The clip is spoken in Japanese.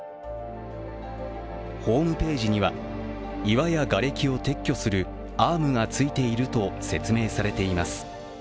ホームページには、岩やがれきを撤去するアームがついていると説明されています。